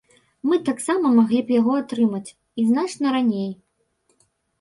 Мы таксама маглі б яго атрымаць, і значна раней.